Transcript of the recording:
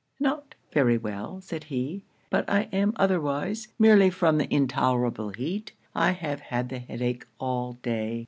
'Not very well,' said he; 'but I am otherwise, merely from the intolerable heat. I have had the head ache all day.'